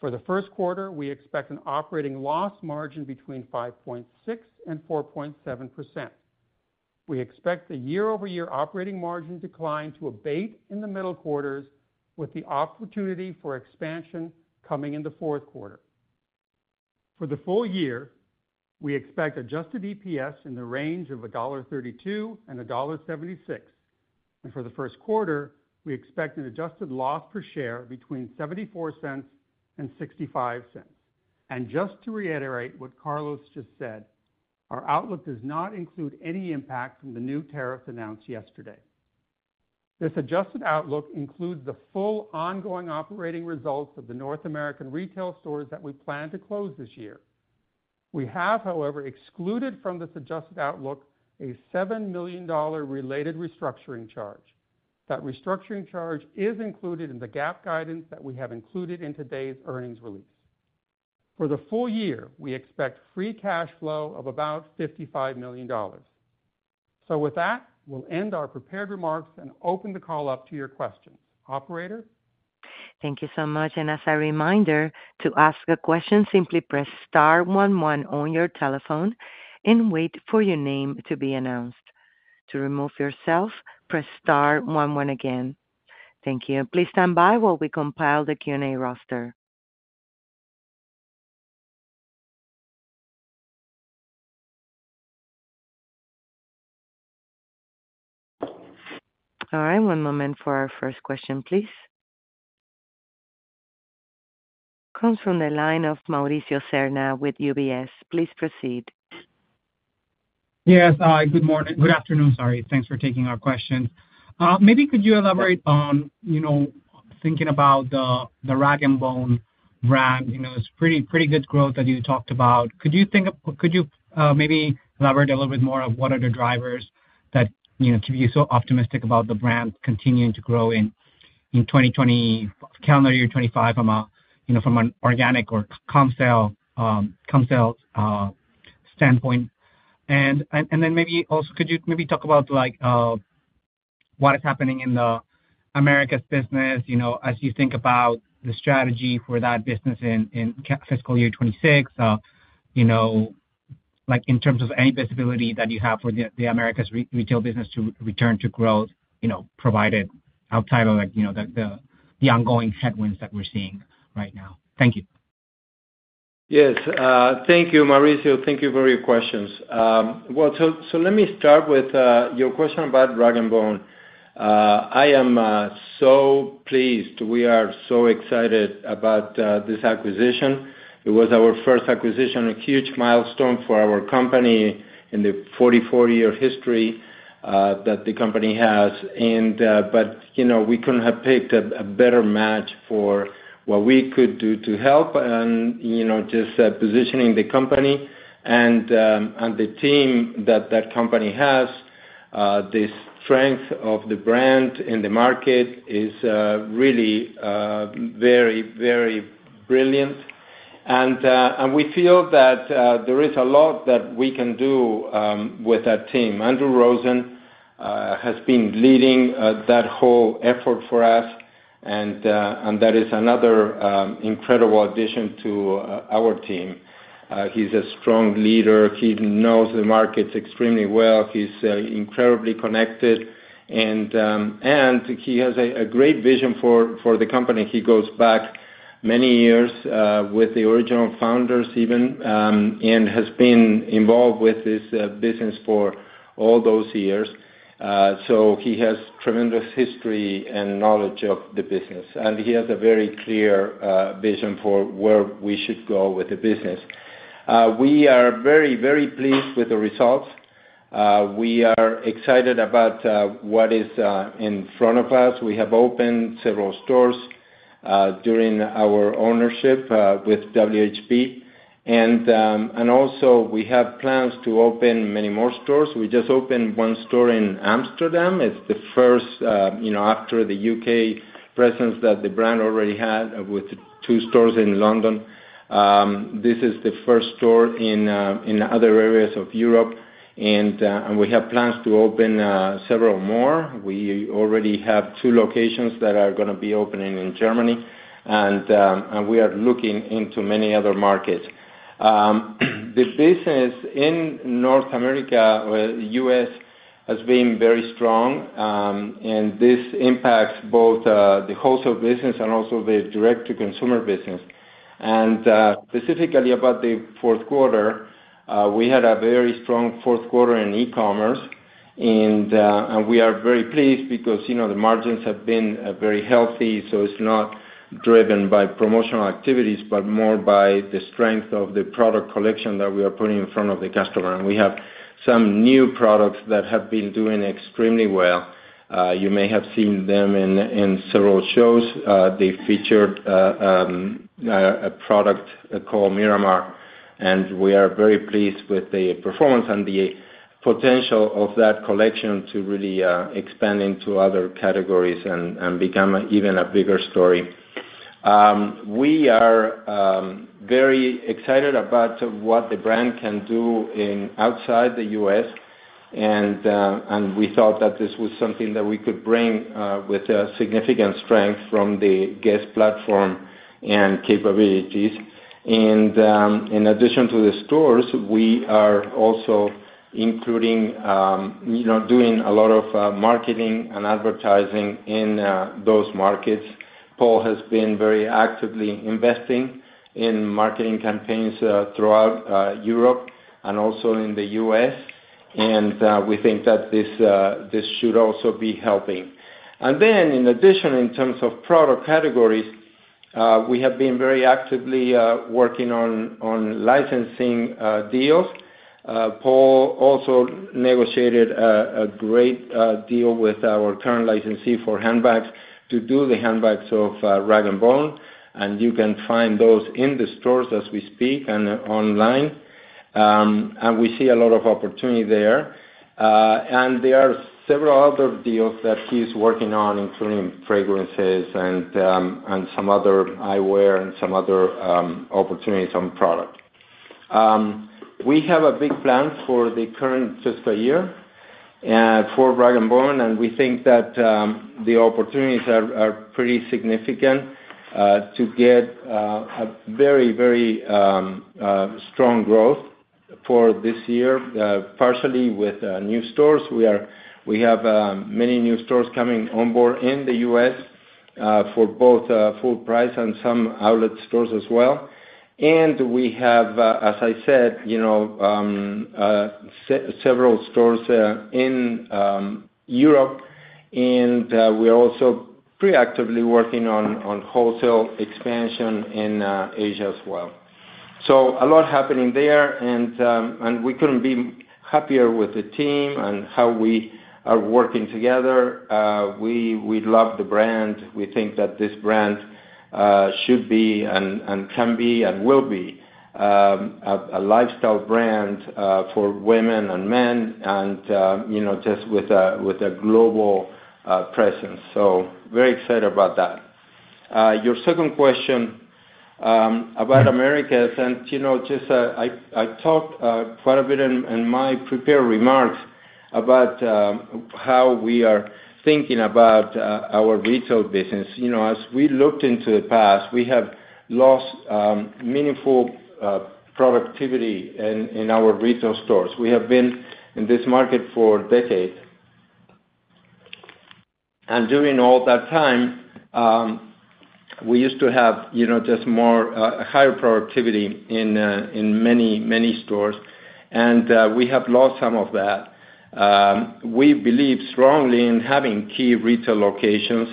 For the Q1, we expect an operating loss margin between 5.6% and 4.7%. We expect the year-over-year operating margin decline to abate in the middle quarters, with the opportunity for expansion coming in the Q4. For the full year, we expect adjusted EPS in the range of $1.32-$1.76. For the Q1, we expect an adjusted loss per share between $0.74 and $0.65. Just to reiterate what Carlos just said, our outlook does not include any impact from the new tariffs announced yesterday. This adjusted outlook includes the full ongoing operating results of the North American retail stores that we plan to close this year. We have, however, excluded from this adjusted outlook a $7 million related restructuring charge. That restructuring charge is included in the GAAP guidance that we have included in today's earnings release. For the full year, we expect free cash flow of about $55 million. With that, we'll end our prepared remarks and open the call up to your question. Operator? Thank you so much. As a reminder, to ask a question, simply press Star 11 on your telephone and wait for your name to be announced. To remove yourself, press Star 11 again. Thank you. Please stand by while we compile the Q&A roster. All right, one moment for our first question, please. Comes from the line of Mauricio Serna with UBS. Please proceed. Yes, good morning. Good afternoon, sorry. Thanks for taking our question. Maybe could you elaborate on, you know, thinking about the Rag & Bone brand, you know, it's pretty, pretty good growth that you talked about. Could you think of, could you maybe elaborate a little bit more of what are the drivers that, you know, keep you so optimistic about the brand continuing to grow in in 2020, calendar year 2025 from a, you know, from an organic or comp sale standpoint? And then maybe also, could you maybe talk about like what is happening in the America's business, you know, as you think about the strategy for that business in fiscal year 2026, you know, like in terms of any visibility that you have for the America's retail business to return to growth, you know, provided outside of like, you know, the ongoing headwinds that we're seeing right now. Thank you. Yes, thank you, Mauricio. Thank you for your questions. Let me start with your question about Rag & Bone. I am so pleased. We are so excited about this acquisition. It was our first acquisition, a huge milestone for our company in the 44-year history that the company has. You know, we couldn't have picked a better match for what we could do to help and, you know, just positioning the company and the team that that company has. The strength of the brand in the market is really very, very brilliant. We feel that there is a lot that we can do with that team. Andrew Rosen has been leading that whole effort for us, and that is another incredible addition to our team. He's a strong leader. He knows the markets extremely well. He's incredibly connected, and he has a great vision for the company. He goes back many years with the original founders even and has been involved with this business for all those years. He has tremendous history and knowledge of the business, and he has a very clear vision for where we should go with the business. We are very, very pleased with the results. We are excited about what is in front of us. We have opened several stores during our ownership with WHP, and also we have plans to open many more stores. We just opened one store in Amsterdam. It's the first, you know, after the U.K. presence that the brand already had with two stores in London. This is the first store in other areas of Europe, and we have plans to open several more. We already have two locations that are going to be opening in Germany, and we are looking into many other markets. The business in North America or US has been very strong, and this impacts both the wholesale business and also the direct-to-consumer business. Specifically about the Q4, we had a very strong Q4 in e-commerce, and we are very pleased because, you know, the margins have been very healthy. It's not driven by promotional activities, but more by the strength of the product collection that we are putting in front of the customer. We have some new products that have been doing extremely well. You may have seen them in several shows. They featured a product called Miramar, and we are very pleased with the performance and the potential of that collection to really expand into other categories and become even a bigger story. We are very excited about what the brand can do outside the US, and we thought that this was something that we could bring with a significant strength from the Guess? platform and capabilities. In addition to the stores, we are also including, you know, doing a lot of marketing and advertising in those markets. Paul has been very actively investing in marketing campaigns throughout Europe and also in the US, and we think that this should also be helping. In addition, in terms of product categories, we have been very actively working on licensing deals. Paul also negotiated a great deal with our current licensee for handbags to do the handbags of Rag & Bone, and you can find those in the stores as we speak and online. We see a lot of opportunity there. There are several other deals that he's working on, including fragrances and some other eyewear and some other opportunities on product. We have a big plan for the current fiscal year for Rag & Bone, and we think that the opportunities are pretty significant to get a very, very strong growth for this year, partially with new stores. We have many new stores coming on board in the US for both full price and some outlet stores as well. We have, as I said, you know, several stores in Europe, and we're also pretty actively working on wholesale expansion in Asia as well. A lot happening there, and we couldn't be happier with the team and how we are working together. We love the brand. We think that this brand should be and can be and will be a lifestyle brand for women and men and, you know, just with a global presence. Very excited about that. Your second question about Americas, and you know, just I talked quite a bit in my prepared remarks about how we are thinking about our retail business. You know, as we looked into the past, we have lost meaningful productivity in our retail stores. We have been in this market for decades. During all that time, we used to have, you know, just more higher productivity in many, many stores, and we have lost some of that. We believe strongly in having key retail locations.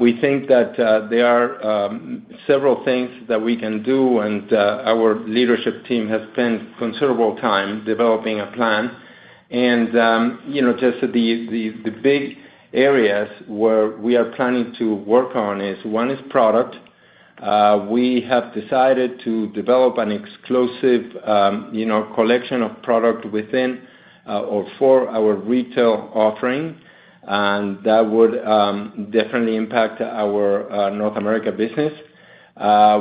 We think that there are several things that we can do, and our leadership team has spent considerable time developing a plan. You know, just the big areas where we are planning to work on is one is product. We have decided to develop an exclusive, you know, collection of product within or for our retail offering, and that would definitely impact our North America business.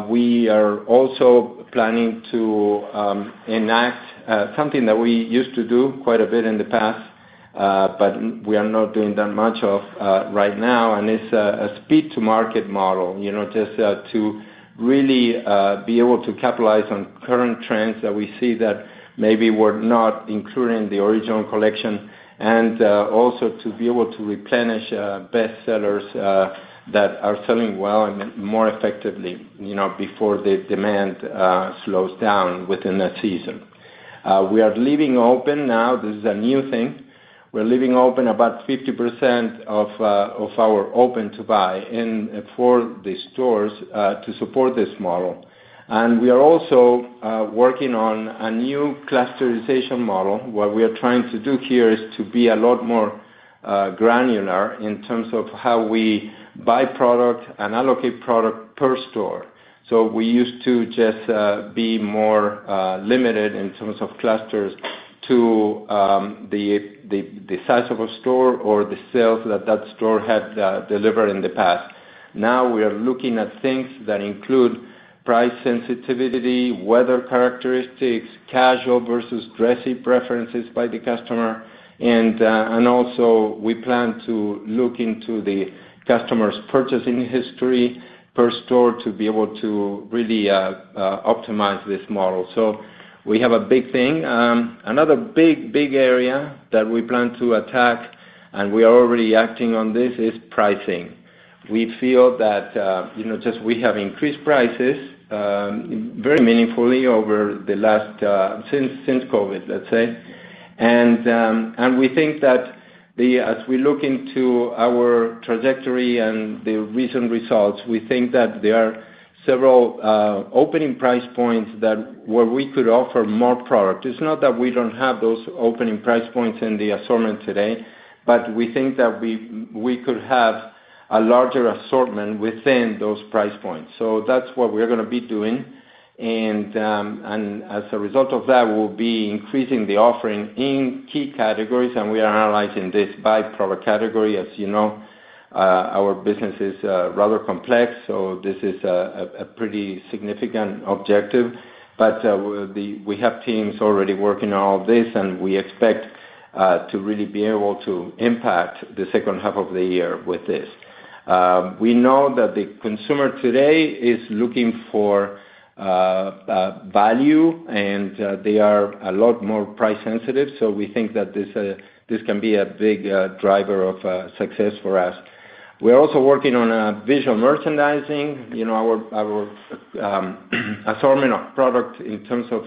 We are also planning to enact something that we used to do quite a bit in the past, but we are not doing that much of right now, and it's a speed-to-market model, you know, just to really be able to capitalize on current trends that we see that maybe were not included in the original collection and also to be able to replenish bestsellers that are selling well and more effectively, you know, before the demand slows down within the season. We are leaving open now. This is a new thing. We're leaving open about 50% of our open-to-buy in for the stores to support this model. We are also working on a new clusterization model. What we are trying to do here is to be a lot more granular in terms of how we buy product and allocate product per store. We used to just be more limited in terms of clusters to the size of a store or the sales that that store had delivered in the past. Now we are looking at things that include price sensitivity, weather characteristics, casual versus dressy preferences by the customer. We also plan to look into the customer's purchasing history per store to be able to really optimize this model. We have a big thing. Another big, big area that we plan to attack, and we are already acting on this, is pricing. We feel that, you know, just we have increased prices very meaningfully over the last since COVID, let's say. We think that as we look into our trajectory and the recent results, we think that there are several opening price points where we could offer more product. It's not that we don't have those opening price points in the assortment today, but we think that we could have a larger assortment within those price points. That is what we're going to be doing. As a result of that, we'll be increasing the offering in key categories, and we are analyzing this by product category. As you know, our business is rather complex, so this is a pretty significant objective. We have teams already working on all this, and we expect to really be able to impact the second half of the year with this. We know that the consumer today is looking for value, and they are a lot more price sensitive. We think that this can be a big driver of success for us. We're also working on visual merchandising. You know, our assortment of product in terms of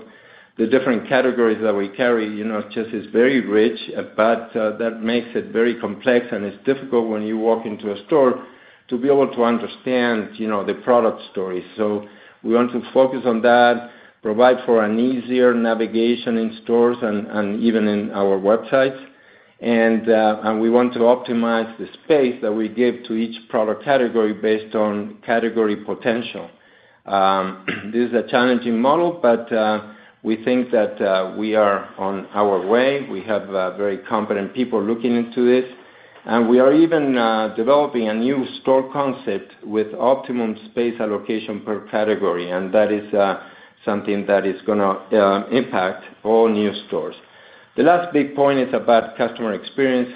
the different categories that we carry, you know, just is very rich, but that makes it very complex, and it's difficult when you walk into a store to be able to understand, you know, the product stories. We want to focus on that, provide for an easier navigation in stores and even in our websites. We want to optimize the space that we give to each product category based on category potential. This is a challenging model, but we think that we are on our way. We have very competent people looking into this, and we are even developing a new store concept with optimum space allocation per category, and that is something that is going to impact all new stores. The last big point is about customer experience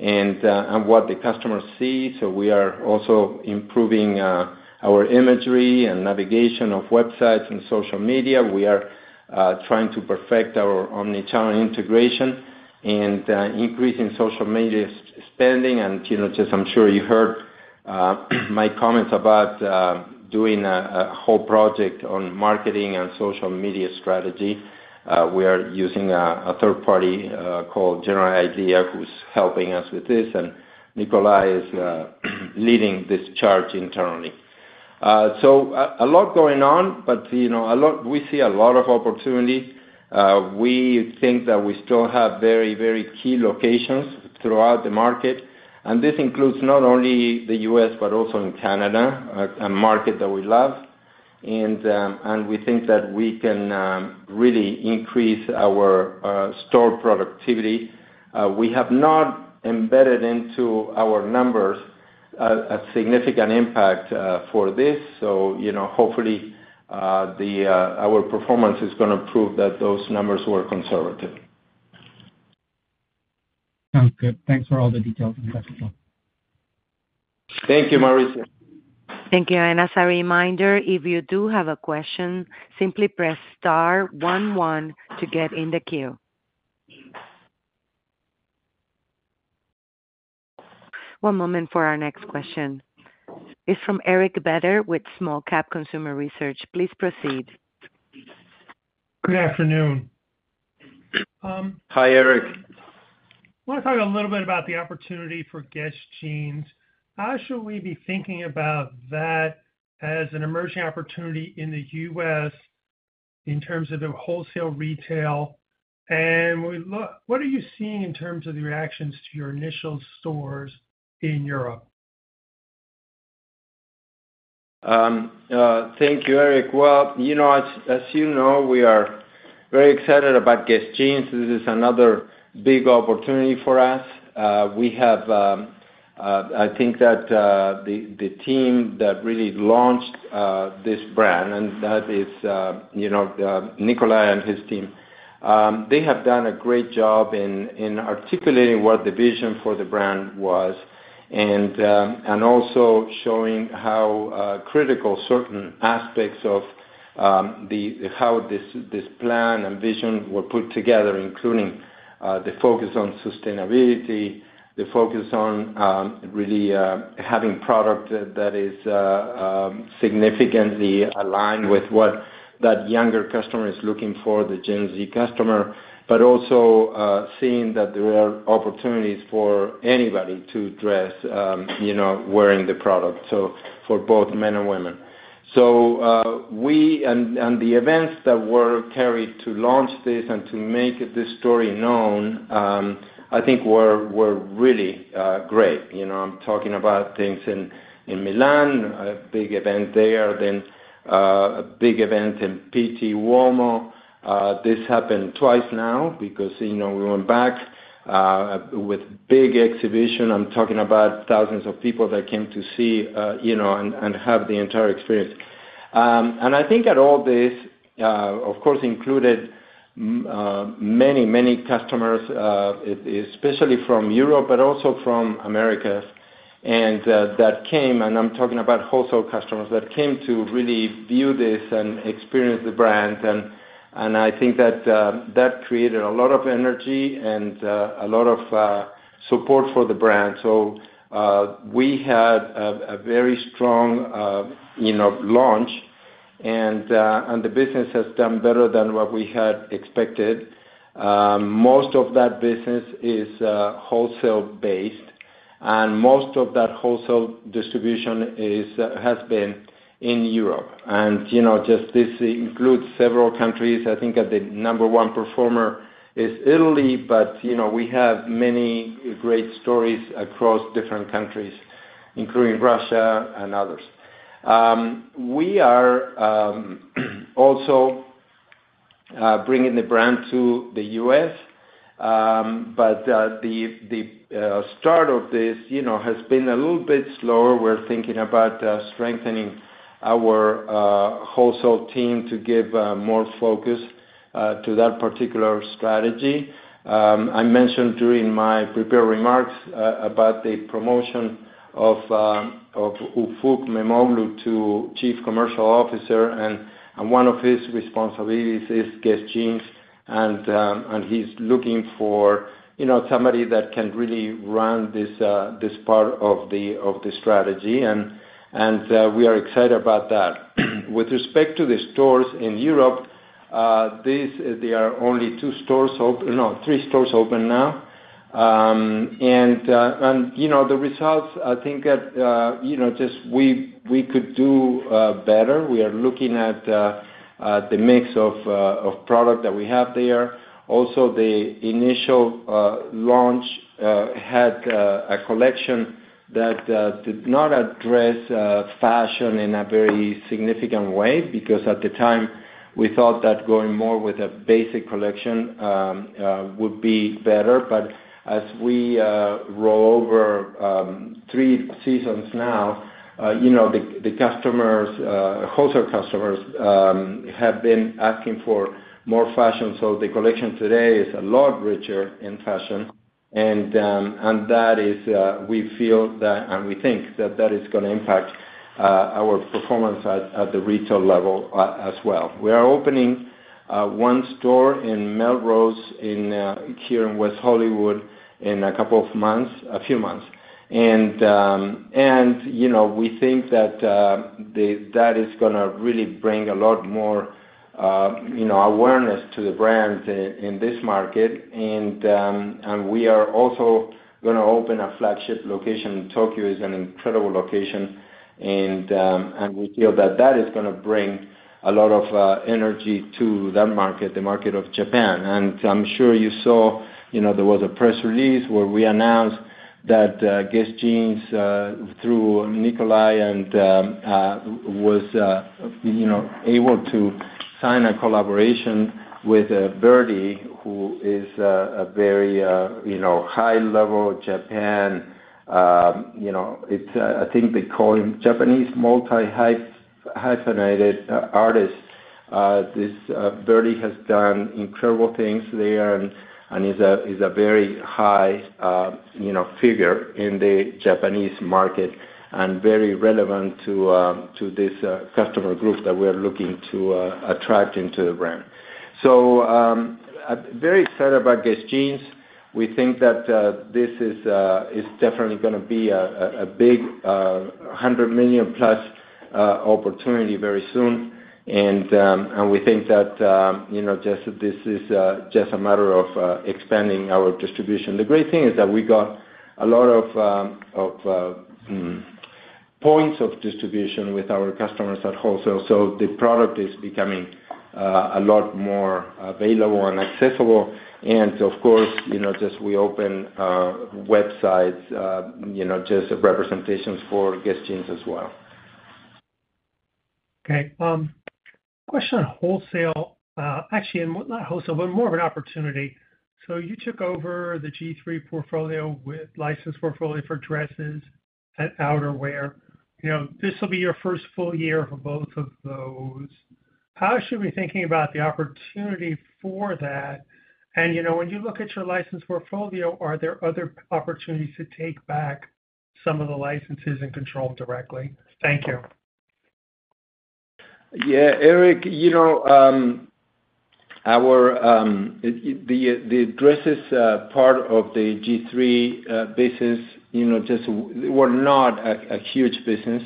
and what the customer sees. We are also improving our imagery and navigation of websites and social media. We are trying to perfect our omnichannel integration and increasing social media spending. You know, just I'm sure you heard my comments about doing a whole project on marketing and social media strategy. We are using a third party called General Idea, who's helping us with this, and Nicolai is leading this charge internally. A lot going on, but, you know, we see a lot of opportunity. We think that we still have very, very key locations throughout the market, and this includes not only the US, but also in Canada, a market that we love. We think that we can really increase our store productivity. We have not embedded into our numbers a significant impact for this. You know, hopefully our performance is going to prove that those numbers were conservative. Sounds good. Thanks for all the details. Thank you, Mauricio. Thank you. As a reminder, if you do have a question, simply press star 11 to get in the queue. One moment for our next question. It's from Eric Beder with Small Cap Consumer Research. Please proceed. Good afternoon. Hi, Eric. Want to talk a little bit about the opportunity for Guess? Jeans. How should we be thinking about that as an emerging opportunity in the US in terms of the wholesale retail? What are you seeing in terms of the reactions to your initial stores in Europe? Thank you, Eric. You know, as you know, we are very excited about Guess? Jeans. This is another big opportunity for us. We have, I think, the team that really launched this brand, and that is, you know, Nicolai and his team. They have done a great job in articulating what the vision for the brand was and also showing how critical certain aspects of how this plan and vision were put together, including the focus on sustainability, the focus on really having product that is significantly aligned with what that younger customer is looking for, the Gen Z customer, but also seeing that there are opportunities for anybody to dress, you know, wearing the product, for both men and women. We and the events that were carried to launch this and to make this story known, I think were really great. You know, I'm talking about things in Milan, a big event there, then a big event in Pitti Uomo. This happened twice now because, you know, we went back with a big exhibition. I'm talking about thousands of people that came to see, you know, and have the entire experience. I think that all this, of course, included many, many customers, especially from Europe, but also from America. That came, and I'm talking about wholesale customers that came to really view this and experience the brand. I think that that created a lot of energy and a lot of support for the brand. We had a very strong, you know, launch, and the business has done better than what we had expected. Most of that business is wholesale-based, and most of that wholesale distribution has been in Europe. You know, this includes several countries. I think that the number one performer is Italy, but, you know, we have many great stories across different countries, including Russia and others. We are also bringing the brand to the US, but the start of this, you know, has been a little bit slower. We're thinking about strengthening our wholesale team to give more focus to that particular strategy. I mentioned during my prepared remarks about the promotion of Ufuk Mammoglu to Chief Commercial Officer, and one of his responsibilities is Guess? Jeans, and he's looking for, you know, somebody that can really run this part of the strategy, and we are excited about that. With respect to the stores in Europe, there are only two stores open, no, three stores open now. You know, the results, I think that, you know, just we could do better. We are looking at the mix of product that we have there. Also, the initial launch had a collection that did not address fashion in a very significant way because at the time we thought that going more with a basic collection would be better. As we roll over three seasons now, you know, the customers, wholesale customers have been asking for more fashion. The collection today is a lot richer in fashion, and that is, we feel that, and we think that that is going to impact our performance at the retail level as well. We are opening one store in Melrose here in West Hollywood in a couple of months, a few months. You know, we think that that is going to really bring a lot more, you know, awareness to the brand in this market. We are also going to open a flagship location in Tokyo. It's an incredible location. We feel that that is going to bring a lot of energy to that market, the market of Japan. I'm sure you saw, you know, there was a press release where we announced that Guess? Jeans through Nicolai was, you know, able to sign a collaboration with Verdy, who is a very, you know, high-level Japan. You know, it's, I think they call him Japanese multi-hyphenated artist. This Verdy has done incredible things there and is a very high, you know, figure in the Japanese market and very relevant to this customer group that we're looking to attract into the brand. Very excited about Guess? Jeans. We think that this is definitely going to be a big $100 million plus opportunity very soon. We think that, you know, just this is just a matter of expanding our distribution. The great thing is that we got a lot of points of distribution with our customers at wholesale. The product is becoming a lot more available and accessible. Of course, you know, just we open websites, you know, just representations for Guess? Jeans as well. Okay. Question on wholesale, actually, and not wholesale, but more of an opportunity. You took over the G-III portfolio with license portfolio for dresses and outerwear. You know, this will be your first full year for both of those. How should we be thinking about the opportunity for that? And, you know, when you look at your license portfolio, are there other opportunities to take back some of the licenses and control them directly? Thank you. Yeah, Eric, you know, the dresses part of the G-III business, you know, just were not a huge business.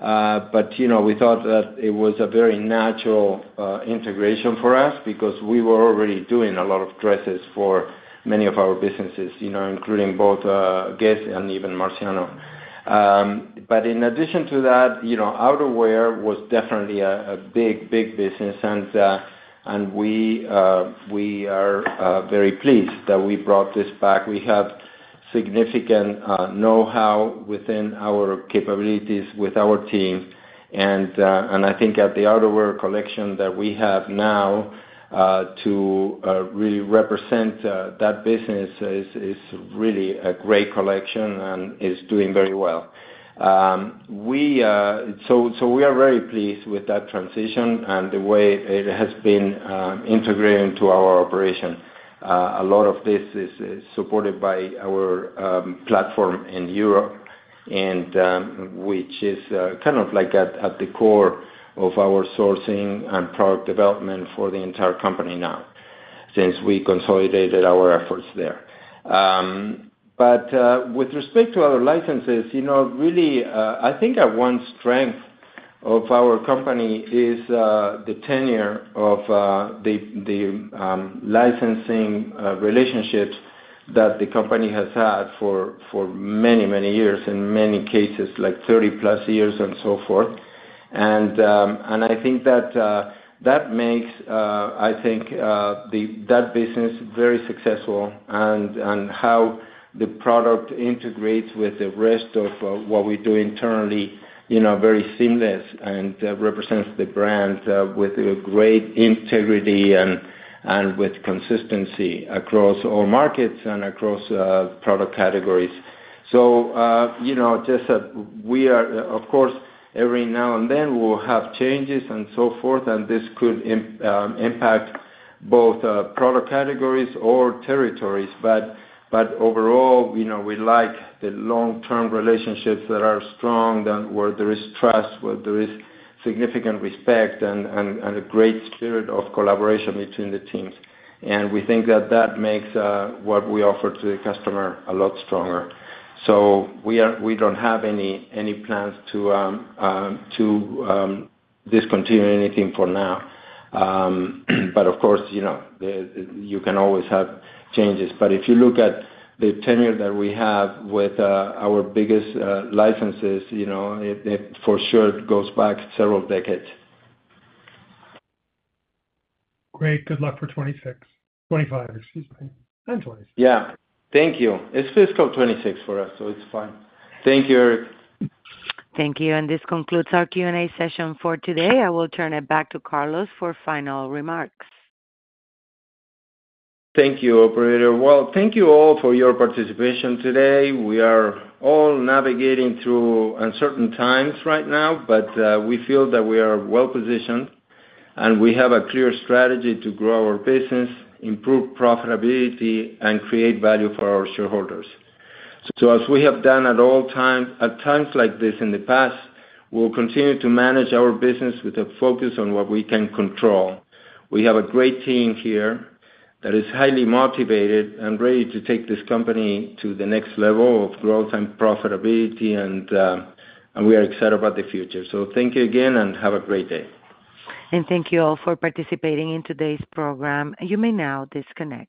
You know, we thought that it was a very natural integration for us because we were already doing a lot of dresses for many of our businesses, you know, including both Guess and even Marciano. In addition to that, you know, Outerwear was definitely a big, big business. We are very pleased that we brought this back. We have significant know-how within our capabilities with our team. I think that the Outerwear collection that we have now to really represent that business is really a great collection and is doing very well. We are very pleased with that transition and the way it has been integrated into our operation. A lot of this is supported by our platform in Europe, which is kind of like at the core of our sourcing and product development for the entire company now, since we consolidated our efforts there. With respect to our licenses, you know, really, I think that one strength of our company is the tenure of the licensing relationships that the company has had for many, many years in many cases, like 30 plus years and so forth. I think that that makes, I think, that business very successful and how the product integrates with the rest of what we do internally, you know, very seamless and represents the brand with great integrity and with consistency across all markets and across product categories. You know, just we are, of course, every now and then we'll have changes and so forth, and this could impact both product categories or territories. Overall, you know, we like the long-term relationships that are strong, where there is trust, where there is significant respect and a great spirit of collaboration between the teams. We think that that makes what we offer to the customer a lot stronger. We do not have any plans to discontinue anything for now. Of course, you know, you can always have changes. If you look at the tenure that we have with our biggest licenses, you know, it for sure goes back several decades. Great. Good luck for 2026, 2025, excuse me. And 2026. Yeah. Thank you. It is fiscal 2026 for us, so it is fine. Thank you, Eric. Thank you. This concludes our Q&A session for today. I will turn it back to Carlos for final remarks. Thank you, Operator. Thank you all for your participation today. We are all navigating through uncertain times right now, but we feel that we are well positioned and we have a clear strategy to grow our business, improve profitability, and create value for our shareholders. As we have done at all times, at times like this in the past, we'll continue to manage our business with a focus on what we can control. We have a great team here that is highly motivated and ready to take this company to the next level of growth and profitability, and we are excited about the future. Thank you again and have a great day. Thank you all for participating in today's program. You may now disconnect.